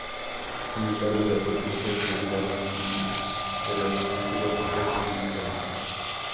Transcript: Sin embargo, la potencia de salida máxima de los músculos es limitada.